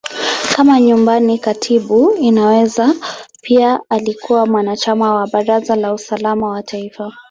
Kama Nyumbani Katibu, Inaweza pia alikuwa mwanachama wa Baraza la Usalama wa Taifa.